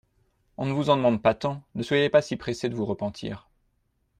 On ne vous en demande pas tant ! ne soyez pas si pressée de vous repentir.